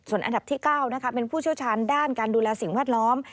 อันดับที่๙เป็นผู้เชี่ยวชาญด้านการดูแลสิ่งแวดล้อม